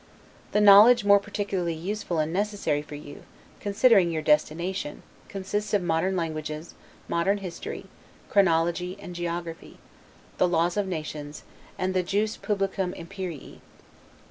The knowledge more particularly useful and necessary for you, considering your destination, consists of modern languages, modern history, chronology, and geography, the laws of nations, and the 'jus publicum Imperii'.